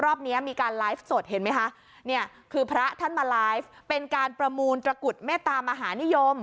รอบนี้มีการไลฟ์สดเห็นไหมคะเนี่ยคือพระท่านมาไลฟ์เป็นการประมูลตระกุดเมตตามหานิยม